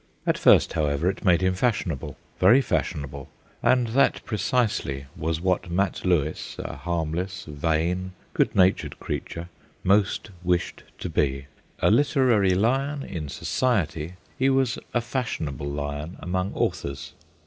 At first, however, it made him fashionable very fashionable, and that pre cisely was what Mat Lewis, a harmless, vain, good natured creature, most wished to be. A literary lion in 'Society/ he was a fashionable lion among authors.